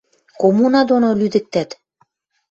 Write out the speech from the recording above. Коммуна доно лӱдӹктӓт.